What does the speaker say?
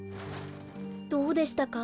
どうでしたか？